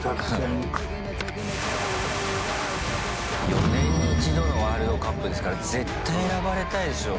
４年に一度のワールドカップですから絶対、選ばれたいでしょう。